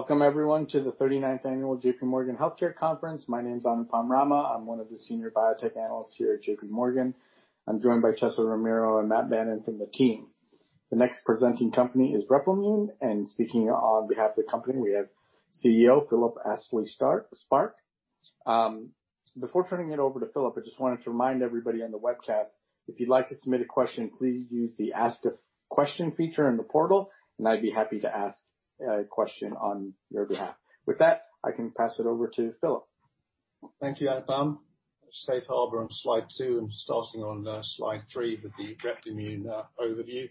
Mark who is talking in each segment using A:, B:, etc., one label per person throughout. A: Welcome everyone to the 39th Annual JPMorgan Healthcare Conference. My name's Anupam Rama. I'm one of the senior biotech analysts here at JPMorgan. I'm joined by Cesar Romero and Matt Bannon from the team. The next presenting company is Replimune, and speaking on behalf of the company, we have CEO Philip Astley-Sparke. Before turning it over to Philip, I just wanted to remind everybody on the webcast, if you'd like to submit a question, please use the Ask a Question feature in the portal, and I'd be happy to ask a question on your behalf. With that, I can pass it over to Philip.
B: Thank you, Anupam. Safe harbor on slide two and starting on slide three with the Replimune overview.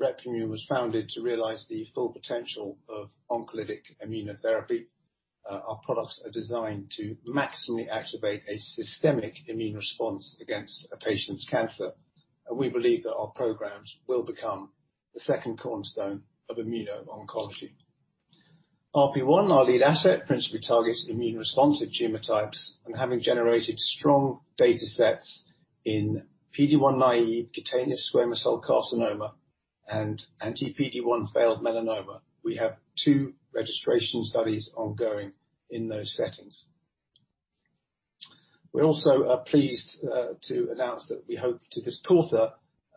B: Replimune was founded to realize the full potential of oncolytic immunotherapy. Our products are designed to maximally activate a systemic immune response against a patient's cancer, and we believe that our programs will become the second cornerstone of immuno-oncology. RP1, our lead asset, principally targets immune-responsive tumor types and having generated strong data sets in PD-1-naïve cutaneous squamous cell carcinoma and anti-PD-1 failed melanoma. We have two registration studies ongoing in those settings. We also are pleased to announce that we hope to this quarter,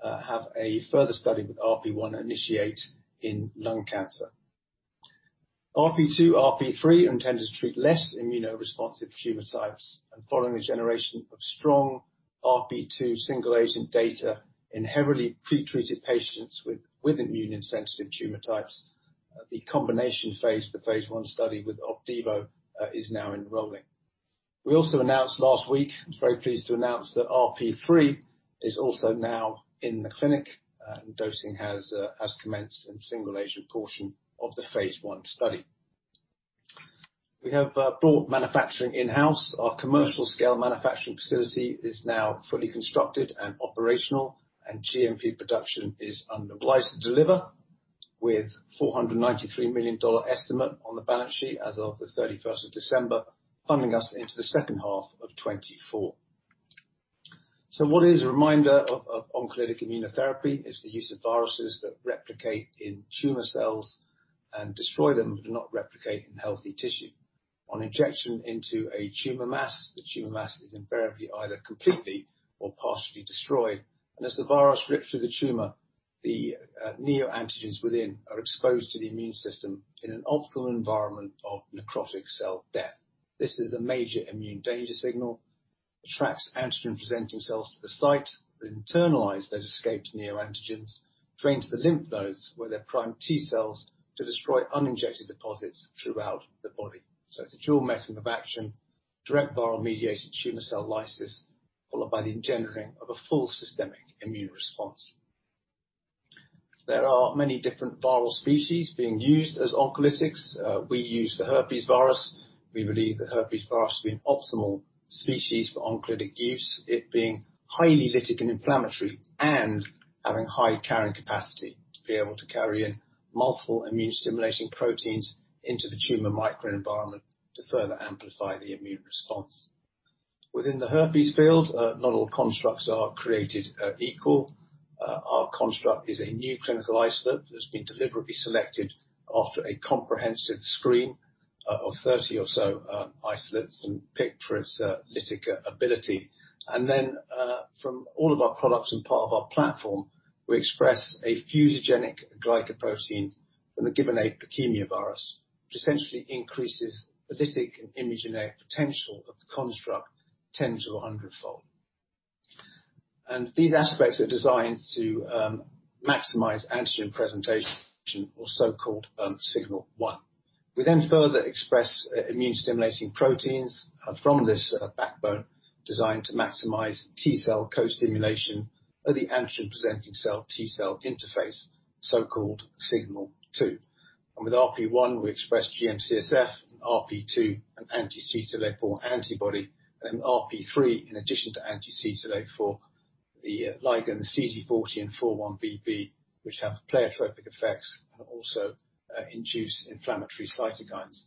B: have a further study with RP1 initiate in lung cancer. RP2, RP3 are intended to treat less immuno-responsive tumor types and following a generation of strong RP2 single-agent data in heavily pre-treated patients with immune-insensitive tumor types, the combination phase, the phase I study with Opdivo, is now enrolling. We also announced last week, I was very pleased to announce that RP3 is also now in the clinic, and dosing has commenced in single-agent portion of the phase I study. We have brought manufacturing in-house. Our commercial scale manufacturing facility is now fully constructed and operational, and GMP production is on the rise to deliver with $493 million estimate on the balance sheet as of the 31st of December, funding us into the second half of 2024. What is a reminder of oncolytic immunotherapy? It's the use of viruses that replicate in tumor cells and destroy them, but do not replicate in healthy tissue. On injection into a tumor mass, the tumor mass is invariably either completely or partially destroyed, and as the virus rips through the tumor, the neoantigens within are exposed to the immune system in an optimal environment of necrotic cell death. This is a major immune danger signal, attracts antigen-presenting cells to the site that internalize those escaped neoantigens, drain to the lymph nodes, where they prime T-cells to destroy uninjected deposits throughout the body. It's a dual mechanism of action, direct viral-mediated tumor cell lysis, followed by the engendering of a full systemic immune response. There are many different viral species being used as oncolytics. We use the herpes virus. We believe the herpes virus to be an optimal species for oncolytic use, it being highly lytic and inflammatory and having high carrying capacity to be able to carry in multiple immune-stimulating proteins into the tumor microenvironment to further amplify the immune response. Within the herpes field, not all constructs are created equal. Our construct is a new clinical isolate that's been deliberately selected after a comprehensive screen of 30 or so isolates and picked for its lytic ability. Then, from all of our products and part of our platform, we express a fusogenic glycoprotein from the gibbon ape leukemia virus, which essentially increases the lytic and immunogenic potential of the construct tens or a hundredfold. These aspects are designed to maximize antigen presentation or so-called signal one. We then further express immune-stimulating proteins from this backbone designed to maximize T-cell co-stimulation of the antigen-presenting cell T-cell interface, so-called signal 2. With RP1, we express GM-CSF, RP2, an anti-CTLA-4 antibody, and RP3, in addition to anti-CTLA-4, the ligand CD40 and 4-1BB, which have pleiotropic effects and also induce inflammatory cytokines.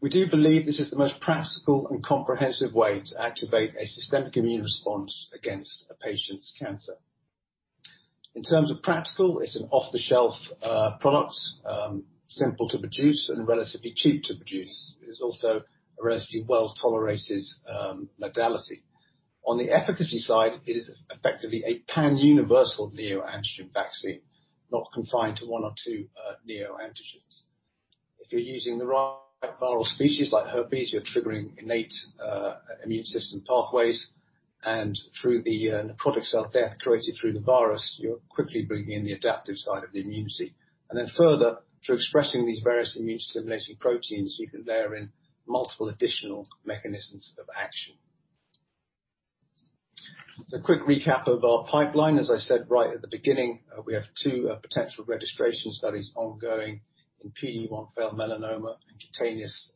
B: We do believe this is the most practical and comprehensive way to activate a systemic immune response against a patient's cancer. In terms of practical, it's an off-the-shelf product, simple to produce and relatively cheap to produce. It is also a relatively well-tolerated modality. On the efficacy side, it is effectively a pan-universal neoantigen vaccine, not confined to one or two neoantigens. If you're using the right viral species like herpes, you're triggering innate immune system pathways, and through the necrotic cell death created through the virus, you're quickly bringing in the adaptive side of the immunity. Further, through expressing these various immune-stimulating proteins, you can layer in multiple additional mechanisms of action. A quick recap of our pipeline. As I said right at the beginning, we have two potential registration studies ongoing in PD-1 failed melanoma and cutaneous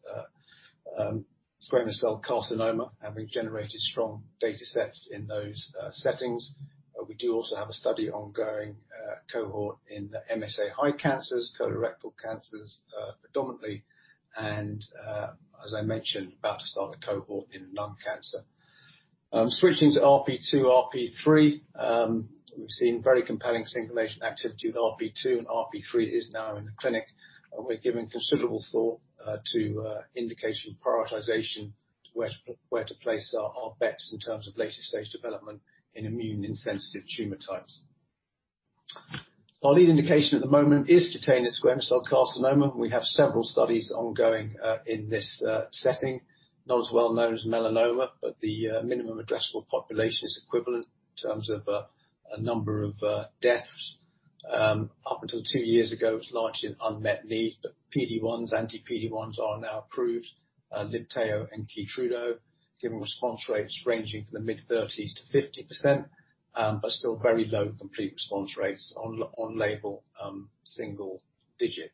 B: squamous cell carcinoma, having generated strong data sets in those settings. We do also have a study ongoing cohort in the MSI-high cancers, colorectal cancers predominantly, and as I mentioned, about to start a cohort in lung cancer. Switching to RP2, RP3. We've seen very compelling single-agent activity with RP2, and RP3 is now in the clinic, and we're giving considerable thought to indication prioritization, where to place our bets in terms of later-stage development in immune-insensitive tumor types. Our lead indication at the moment is cutaneous squamous cell carcinoma. We have several studies ongoing in this setting. Not as well known as melanoma, the minimum addressable population is equivalent in terms of number of deaths. Up until two years ago, it was largely an unmet need, but PD-1s, anti-PD-1s are now approved, Libtayo and KEYTRUDA, giving response rates ranging from the mid-30s to 50%, but still very low complete response rates, on label, single digit.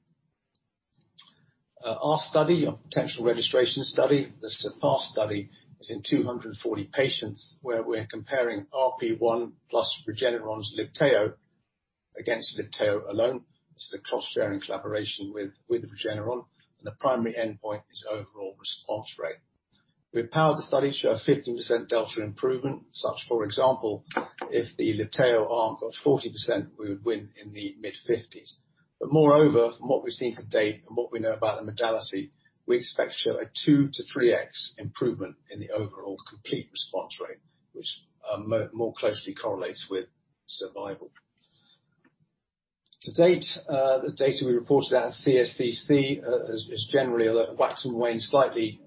B: Our study, our potential registration study, the CERPASS study, is in 240 patients where we're comparing RP1 plus Regeneron's Libtayo against Libtayo alone. This is a cost-sharing collaboration with Regeneron, and the primary endpoint is overall response rate. We powered the study to show a 15% delta improvement such, for example, if the Libtayo arm got 40%, we would win in the mid-50s. Moreover, from what we've seen to date and what we know about the modality, we expect to show a two to 3x improvement in the overall complete response rate, which more closely correlates with survival. To date, the data we reported at CSCC has generally waxed and waned slightly,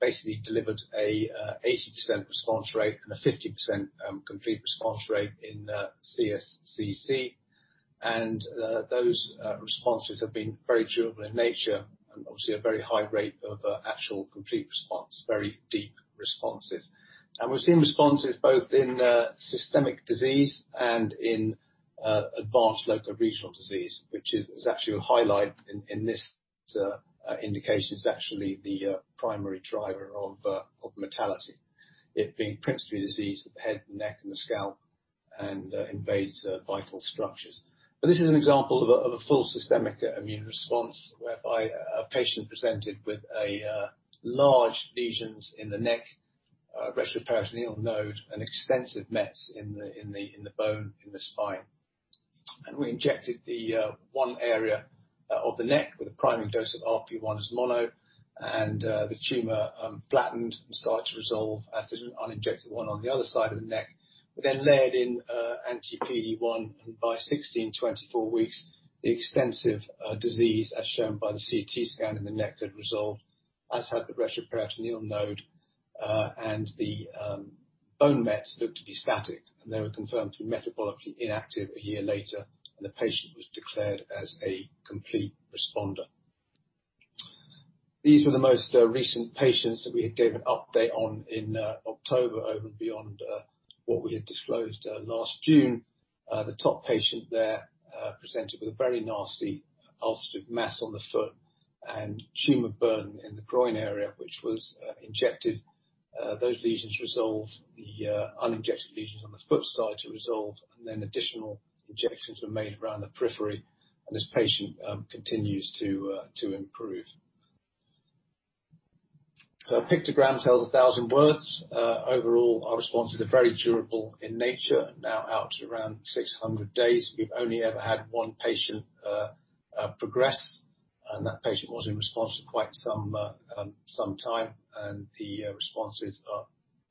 B: basically delivered a 80% response rate and a 50% complete response rate in CSCC. Those responses have been very durable in nature and obviously a very high rate of actual complete response, very deep responses. We've seen responses both in systemic disease and in advanced local regional disease, which is actually a highlight in this indication. It's actually the primary driver of mortality, it being principally a disease of the head, neck, and the scalp, and invades vital structures. This is an example of a full systemic immune response whereby a patient presented with large lesions in the neck, retroperitoneal node, and extensive mets in the bone in the spine. We injected the one area of the neck with a priming dose of RP1 as mono, and the tumor flattened and started to resolve as an uninjected one on the other side of the neck, but then layered in anti-PD-1, and by 16-24 weeks, the extensive disease, as shown by the CT scan in the neck, had resolved, as had the retroperitoneal node. The bone mets looked to be static, and they were confirmed to be metabolically inactive one year later, and the patient was declared as a complete responder. These were the most recent patients that we had gave an update on in October over and beyond what we had disclosed last June. The top patient there presented with a very nasty ulcerative mass on the foot and tumor burden in the groin area, which was injected. Those lesions resolved. The uninjected lesions on the foot started to resolve, and then additional injections were made around the periphery, and this patient continues to improve. A pictogram tells a 1,000 words. Overall, our responses are very durable in nature, now out around 600 days. We've only ever had one patient progress, and that patient was in response for quite some time. The responses are,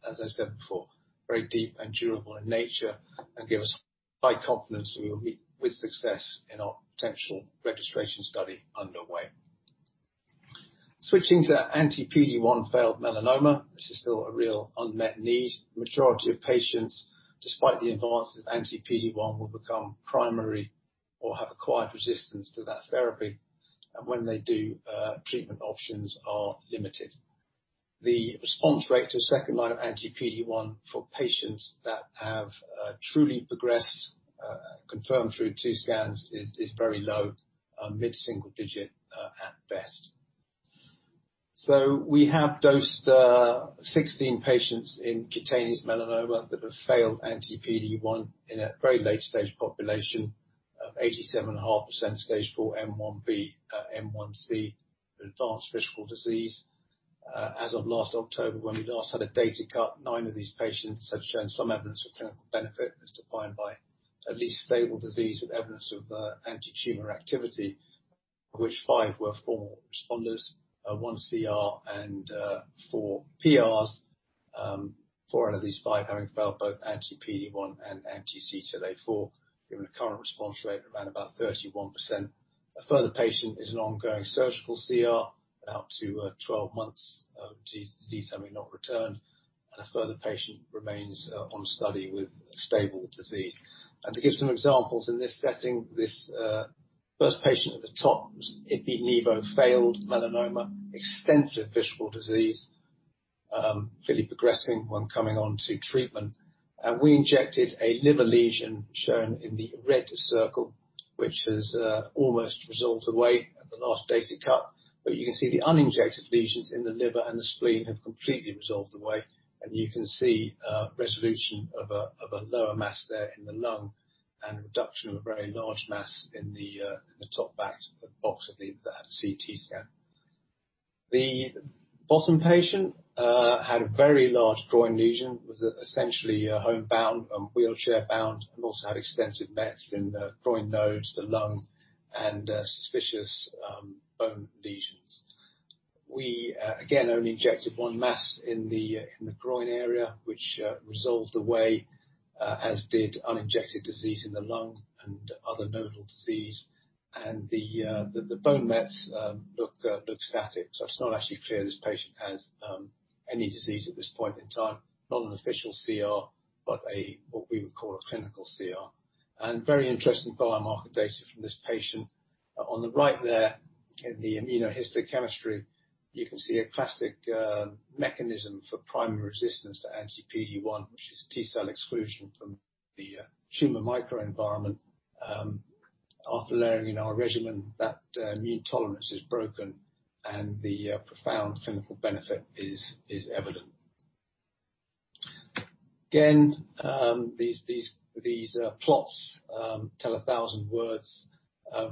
B: as I said before, very deep and durable in nature and give us high confidence that we will meet with success in our potential registration study underway. Switching to anti-PD-1 failed melanoma, which is still a real unmet need. Majority of patients, despite the advances, anti-PD-1 will become primary or have acquired resistance to that therapy. When they do, treatment options are limited. The response rate to second line of anti-PD-1 for patients that have truly progressed, confirmed through two scans, is very low, mid-single digit at best. We have dosed 16 patients in cutaneous melanoma that have failed anti-PD-1 in a very late-stage population of 87.5% stage 4 M1b/M1c advanced visceral disease. As of last October, when we last had a data cut, nine of these patients have shown some evidence of clinical benefit, as defined by at least stable disease with evidence of anti-tumor activity, of which five were full responders, one CR and four PRs, four out of these five having failed both anti-PD-1 and anti-CTLA-4, giving a current response rate of around about 31%. A further patient is an ongoing surgical CR out to 12 months of disease having not returned, and a further patient remains on study with stable disease. To give some examples in this setting, this first patient at the top was ipi/nivo failed melanoma, extensive visceral disease, fairly progressing when coming on to treatment. We injected a liver lesion shown in the red circle, which has almost resolved away at the last data cut. You can see the uninjected lesions in the liver and the spleen have completely resolved away, and you can see resolution of a lower mass there in the lung and a reduction of a very large mass in the top back box of that CT scan. The bottom patient had a very large groin lesion, was essentially homebound and wheelchair-bound, and also had extensive mets in the groin nodes, the lung, and suspicious bone lesions. We, again, only injected one mass in the groin area, which resolved away, as did uninjected disease in the lung and other nodal disease. The bone mets look static. It's not actually clear this patient has any disease at this point in time. Not an official CR, but what we would call a clinical CR. Very interesting biomarker data from this patient. On the right there, in the immunohistochemistry, you can see a classic mechanism for primary resistance to anti-PD-1, which is T-cell exclusion from the tumor microenvironment. After layering in our regimen, that immune tolerance is broken and the profound clinical benefit is evident. Again, these plots tell 1,000 words.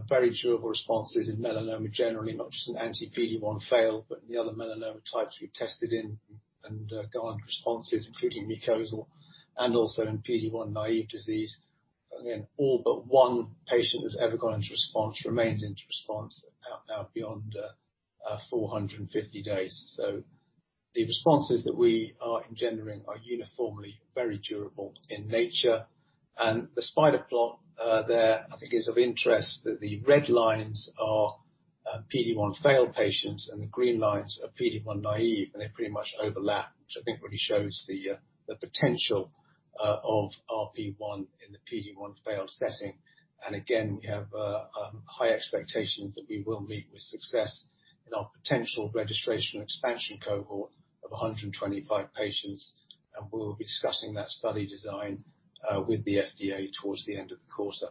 B: Very durable responses in melanoma, generally, not just in anti-PD-1 fail, but in the other melanoma types we've tested in and got responses, including mucosal and also in PD-1 naive disease. Again, all but one patient that's ever gone into response remains into response out now beyond 450 days. The responses that we are engendering are uniformly very durable in nature. The spider plot there, I think is of interest that the red lines are PD-1 failed patients and the green lines are PD-1 naive, and they pretty much overlap, which I think really shows the potential of RP1 in the PD-1 failed setting. Again, we have high expectations that we will meet with success in our potential registration expansion cohort of 125 patients, and we will be discussing that study design with the FDA towards the end of the quarter.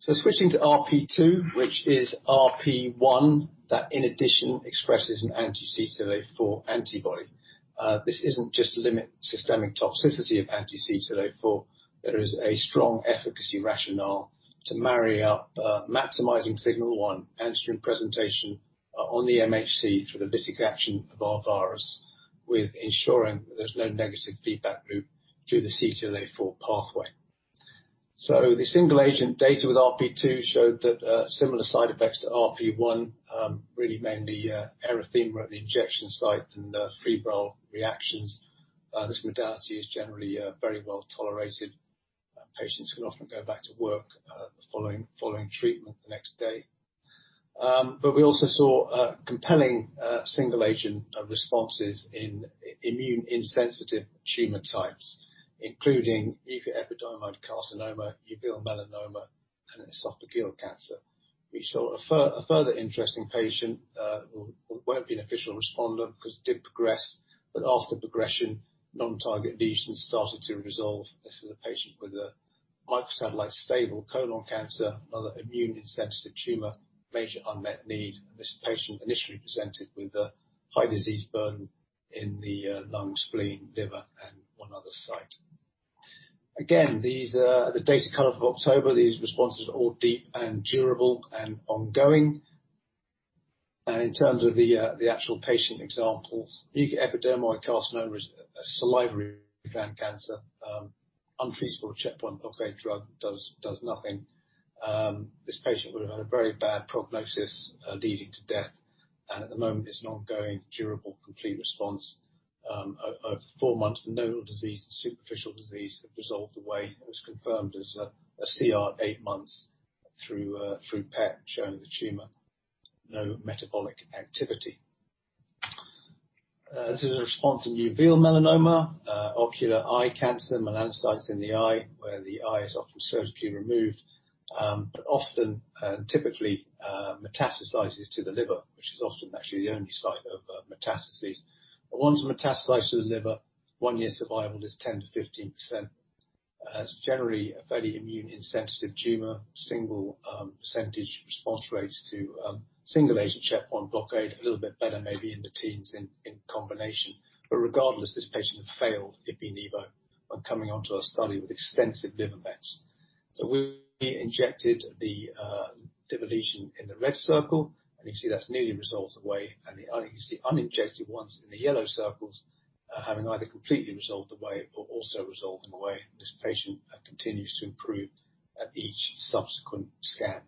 B: Switching to RP2, which is RP1 that in addition expresses an anti-CTLA-4 antibody. This isn't just limit systemic toxicity of anti-CTLA-4. There is a strong efficacy rationale to marry up maximizing signal one and antigen presentation on the MHC through the lytic action of our virus with ensuring that there's no negative feedback loop through the CTLA-4 pathway. The single agent data with RP2 showed that similar side effects to RP1, really mainly erythema at the injection site and febrile reactions. This modality is generally very well tolerated. Patients can often go back to work following treatment the next day. We also saw compelling single agent responses in immune insensitive tumor types, including mucoepidermoid carcinoma, uveal melanoma, and esophageal cancer. We saw a further interesting patient, who won't be an official responder because it did progress, but after progression, non-target lesions started to resolve. This is a patient with a microsatellite stable colon cancer, another immune-insensitive tumor, major unmet need. This patient initially presented with a high disease burden in the lung, spleen, liver and one other site. Again, the data cut-off of October, these responses are all deep and durable and ongoing. In terms of the actual patient examples, mucoepidermoid carcinoma is a salivary gland cancer, untreatable checkpoint blockade drug does nothing. This patient would have had a very bad prognosis leading to death. At the moment, it's an ongoing, durable, complete response. Over four months, the nodal disease, the superficial disease have resolved away and was confirmed as a CR eight months through PET showing the tumor. No metabolic activity. This is a response in uveal melanoma, ocular eye cancer, melanocytes in the eye, where the eye is often surgically removed, but often and typically metastasizes to the liver, which is often actually the only site of metastasis. Once metastasized to the liver, one year survival is 10%-15%. It's generally a fairly immune-insensitive tumor, single percentage response rates to single agent checkpoint blockade, a little bit better maybe in the teens in combination. Regardless, this patient had failed ipi/nivo when coming onto our study with extensive liver mets. We injected the liver lesion in the red circle, and you can see that's nearly resolved away. You can see uninjected ones in the yellow circles having either completely resolved away or also resolving away. This patient continues to improve at each subsequent scan.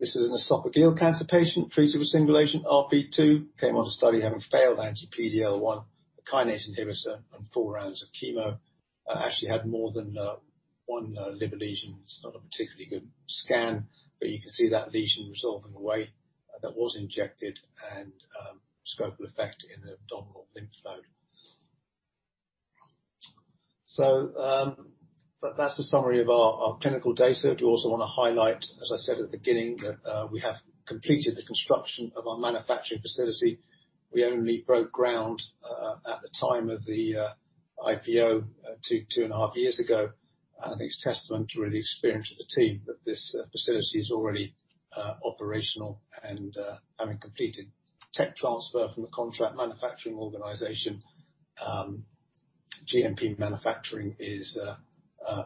B: This is an esophageal cancer patient treated with single agent RP2, came on a study having failed anti-PD-L1, a kinase inhibitor, and four rounds of chemo. Actually had more than one liver lesion. It's not a particularly good scan. You can see that lesion resolving away that was injected and abscopal effect in the abdominal lymph node. That's the summary of our clinical data. Do also want to highlight, as I said at the beginning, that we have completed the construction of our manufacturing facility. We only broke ground at the time of the IPO two and a half years ago. I think it's testament to really the experience of the team that this facility is already operational and having completed tech transfer from the contract manufacturing organization GMP manufacturing is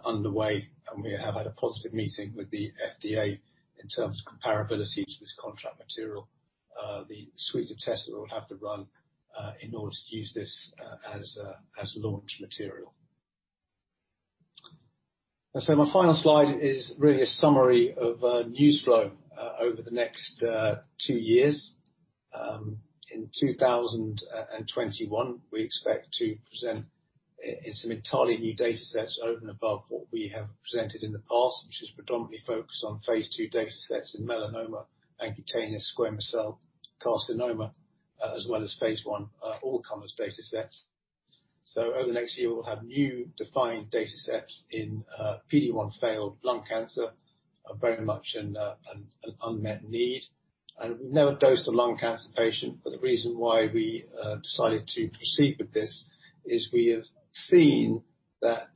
B: underway, and we have had a positive meeting with the FDA in terms of comparability to this contract material, the suite of tests that we'll have to run in order to use this as launch material. My final slide is really a summary of news flow over the next two years. In 2021, we expect to present in some entirely new datasets over and above what we have presented in the past, which is predominantly focused on phase II datasets in melanoma and cutaneous squamous cell carcinoma, as well as phase I all-comers datasets. Over the next year, we'll have new defined datasets in PD-1 failed lung cancer, very much an unmet need. We've never dosed a lung cancer patient, but the reason why we decided to proceed with this is we have seen that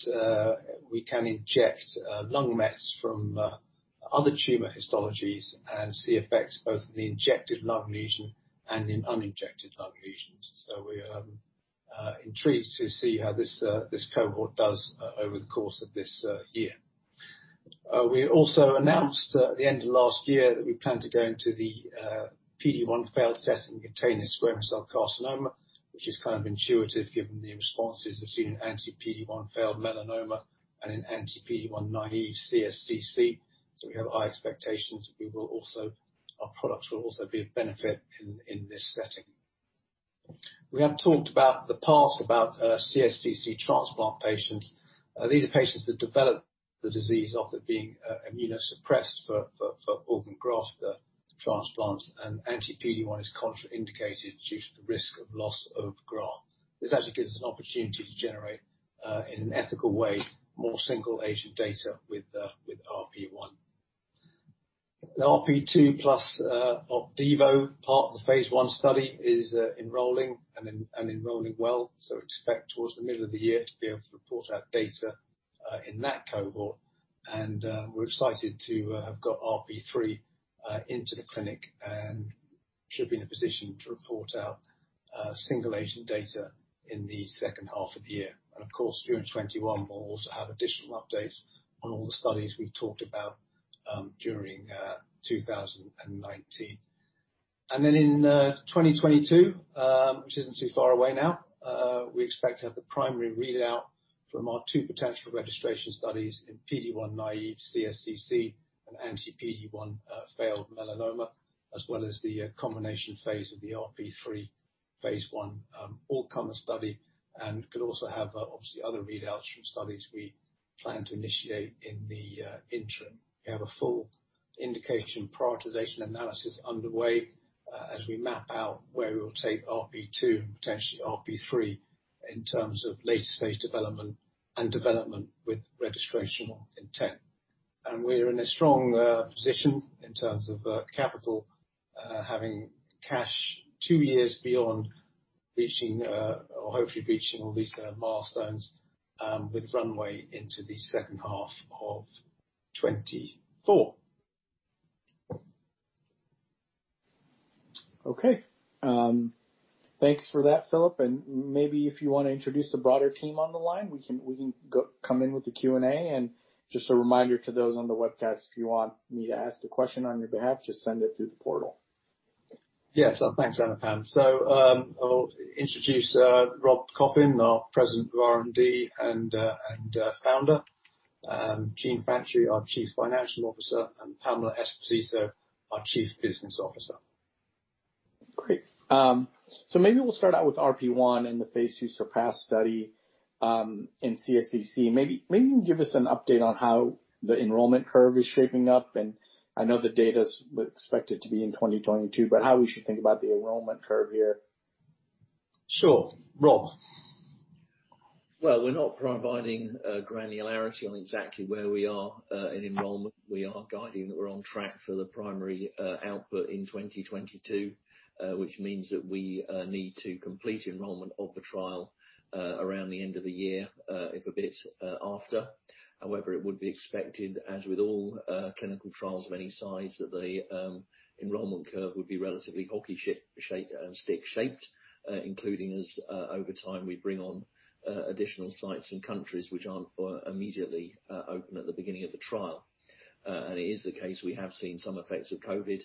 B: we can inject lung mets from other tumor histologies and see effects both in the injected lung lesion and in uninjected lung lesions. We are intrigued to see how this cohort does over the course of this year. We also announced at the end of last year that we plan to go into the PD-1 failed setting cutaneous squamous cell carcinoma, which is kind of intuitive given the responses we've seen in anti-PD-1 failed melanoma and in anti-PD-1 naive CSCC. We have high expectations that our products will also be of benefit in this setting. We have talked about the past about CSCC transplant patients. These are patients that develop the disease after being immunosuppressed for organ graft transplants, and anti-PD-1 is contraindicated due to the risk of loss of graft. This actually gives us an opportunity to generate, in an ethical way, more single-agent data with RP1. The RP2 plus Opdivo part of the phase I study is enrolling and enrolling well, so expect towards the middle of the year to be able to report out data in that cohort. We're excited to have got RP3 into the clinic and should be in a position to report out single-agent data in the second half of the year. Of course, during 2021, we'll also have additional updates on all the studies we've talked about during 2019. In 2022, which isn't too far away now, we expect to have the primary readout from our two potential registration studies in PD-1 naive CSCC and anti-PD-1 failed melanoma, as well as the combination phase of the RP3 phase I all-comer study, and could also have obviously other readouts from studies we plan to initiate in the interim. We have a full indication prioritization analysis underway as we map out where we will take RP2 and potentially RP3 in terms of later-stage development and development with registrational intent. We're in a strong position in terms of capital, having cash two years beyond reaching, or hopefully reaching all these milestones, with runway into the second half of 2024.
A: Thanks for that, Philip. Maybe if you want to introduce the broader team on the line, we can come in with the Q&A. Just a reminder to those on the webcast, if you want me to ask the question on your behalf, just send it through the portal.
B: Yes. Thanks, Anupam. I'll introduce Rob Coffin, our President of R&D and Founder, Jean Franchi, our Chief Financial Officer, and Pamela Esposito, our Chief Business Officer.
A: Great. Maybe we'll start out with RP1 and the phase II CERPASS study in CSCC. Maybe you can give us an update on how the enrollment curve is shaping up. I know the data's expected to be in 2022, but how we should think about the enrollment curve here.
B: Sure. Rob?
C: Well, we're not providing granularity on exactly where we are in enrollment. We are guiding that we're on track for the primary output in 2022. Which means that we need to complete enrollment of the trial around the end of the year, if a bit after. It would be expected, as with all clinical trials of any size, that the enrollment curve would be relatively hockey stick shaped, including as over time we bring on additional sites and countries which aren't immediately open at the beginning of the trial. It is the case, we have seen some effects of COVID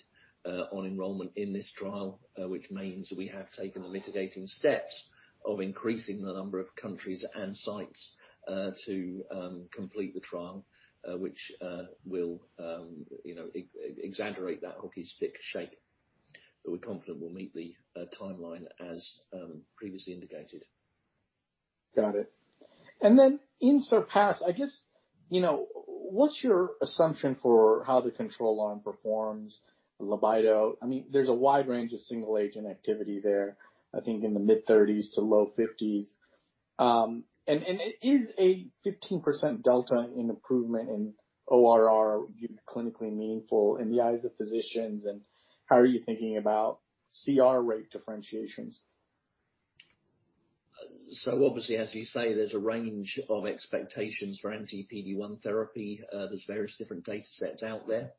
C: on enrollment in this trial, which means we have taken the mitigating steps of increasing the number of countries and sites to complete the trial which will exaggerate that hockey stick shape. We're confident we'll meet the timeline as previously indicated.
A: Got it. In CERPASS, I guess, what's your assumption for how the control arm performs? Libtayo? There's a wide range of single-agent activity there, I think in the mid-30s to low 50s. Is a 15% delta in improvement in ORR clinically meaningful in the eyes of physicians, and how are you thinking about CR rate differentiations?
C: Obviously, as you say, there's a range of expectations for anti-PD-1 therapy. There's various different data sets out there.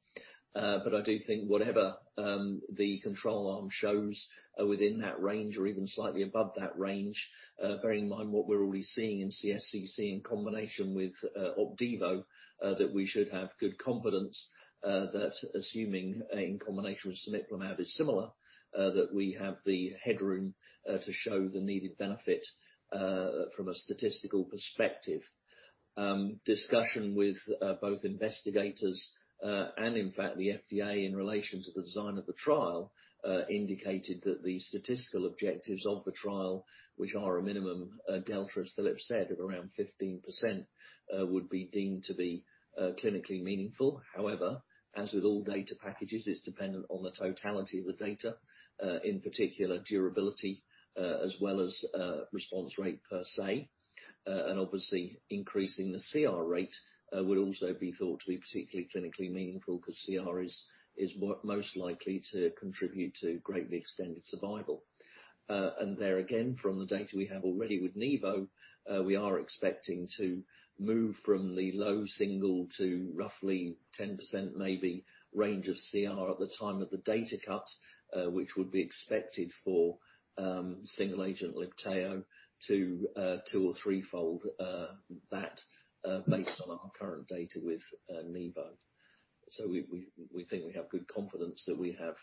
C: I do think whatever the control arm shows within that range or even slightly above that range, bearing in mind what we're already seeing in CSCC in combination with Opdivo, that we should have good confidence that assuming in combination with cemiplimab is similar, that we have the headroom to show the needed benefit from a statistical perspective. Discussion with both investigators, and in fact the FDA in relation to the design of the trial, indicated that the statistical objectives of the trial, which are a minimum delta, as Philip said, of around 15%, would be deemed to be clinically meaningful. However, as with all data packages, it's dependent on the totality of the data, in particular durability as well as response rate per se. Obviously increasing the CR rate will also be thought to be particularly clinically meaningful because CR is most likely to contribute to greatly extended survival. There again, from the data we have already with nivo, we are expecting to move from the low single to roughly 10% maybe range of CR at the time of the data cut, which would be expected for single-agent Libtayo to two or threefold that based on our current data with nivo. We think we have good confidence that we have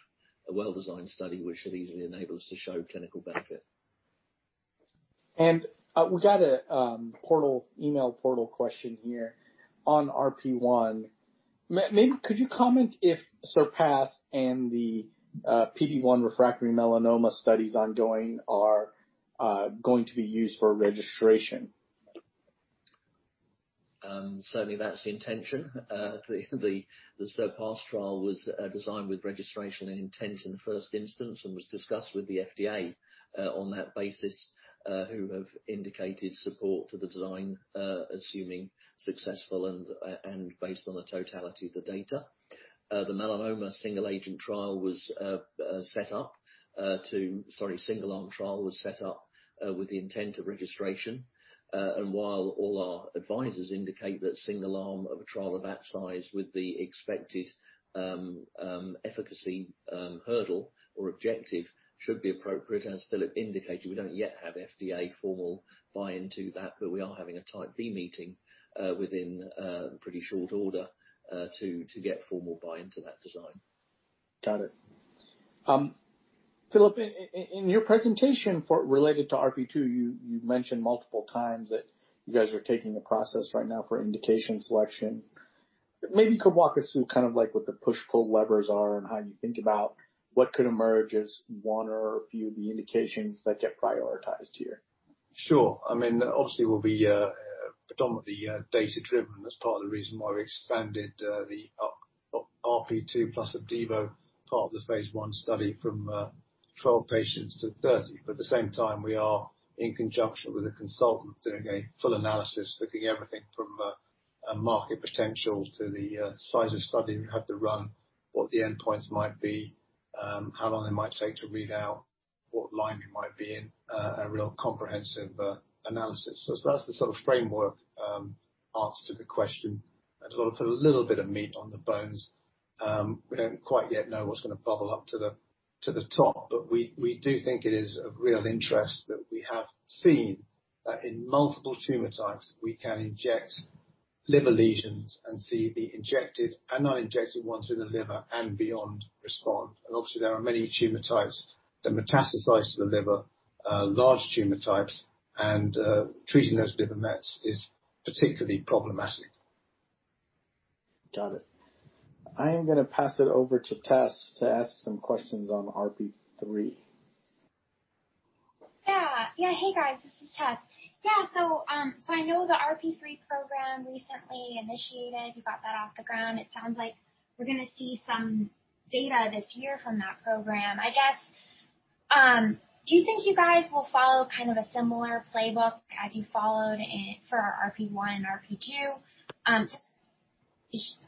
C: a well-designed study which should easily enable us to show clinical benefit.
A: We got a email portal question here on RP1. Could you comment if CERPASS and the PD-1 refractory melanoma studies ongoing are going to be used for registration?
C: Certainly that's the intention. The CERPASS trial was designed with registration intent in the first instance and was discussed with the FDA on that basis, who have indicated support to the design, assuming successful and based on the totality of the data. The melanoma single-arm trial was set up with the intent of registration. While all our advisors indicate that single arm of a trial of that size with the expected efficacy hurdle or objective should be appropriate, as Philip indicated, we don't yet have FDA formal buy-in to that. We are having a Type B meeting within pretty short order to get formal buy-in to that design.
A: Got it. Philip, in your presentation related to RP2, you mentioned multiple times that you guys are taking the process right now for indication selection. Maybe you could walk us through what the push-pull levers are and how you think about what could emerge as one or a few of the indications that get prioritized here.
B: Sure. Obviously, we'll be predominantly data-driven. That's part of the reason why we expanded the RP2 plus Opdivo part of the phase I study from 12 patients to 30. At the same time, we are in conjunction with a consultant doing a full analysis, looking everything from a market potential to the size of study we have to run, what the endpoints might be, how long it might take to read out, what line we might be in, a real comprehensive analysis. That's the sort of framework answer to the question. To put a little bit of meat on the bones, we don't quite yet know what's going to bubble up to the top, but we do think it is of real interest that we have seen that in multiple tumor types, we can inject liver lesions and see the injected and non-injected ones in the liver and beyond respond. Obviously, there are many tumor types that metastasize to the liver, large tumor types, and treating those liver mets is particularly problematic.
A: Got it. I am going to pass it over to Tess to ask some questions on RP3.
D: Hey, guys. This is Tess. I know the RP3 program recently initiated. You got that off the ground. It sounds like we're going to see some data this year from that program. I guess, do you think you guys will follow a similar playbook as you followed for RP1 and RP2?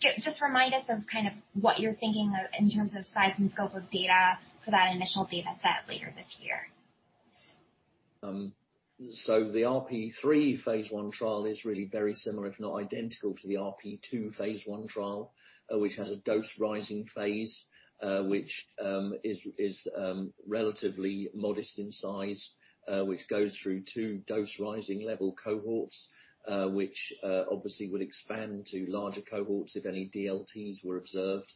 D: Just remind us of what you're thinking of in terms of size and scope of data for that initial data set later this year.
C: The RP3 phase I trial is really very similar, if not identical to the RP2 phase I trial, which has a dose rising phase, which is relatively modest in size, which goes through two dose rising level cohorts, which obviously would expand to larger cohorts if any DLTs were observed.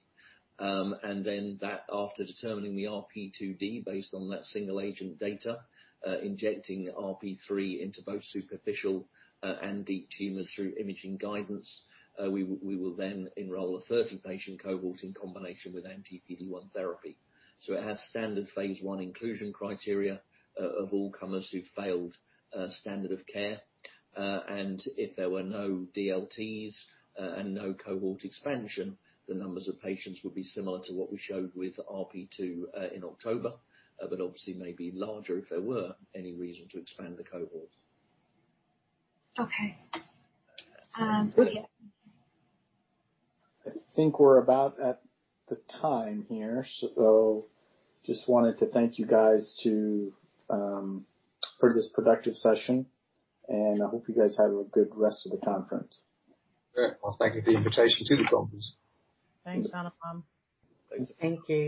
C: After determining the RP2D based on that single-agent data, injecting RP3 into both superficial and deep tumors through imaging guidance. We will enroll a 30-patient cohort in combination with anti-PD-1 therapy. It has standard phase I inclusion criteria of all comers who've failed standard of care. If there were no DLTs and no cohort expansion, the numbers of patients would be similar to what we showed with RP2 in October. Obviously may be larger if there were any reason to expand the cohort.
D: Okay.
A: I think we're about at the time here, so just wanted to thank you guys for this productive session, and I hope you guys have a good rest of the conference.
B: Great. Well, thank you for the invitation to the conference.
C: Thanks, Anupam.
A: Thanks.
B: Thank you.